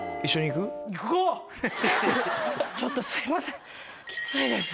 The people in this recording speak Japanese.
ちょっとすいません。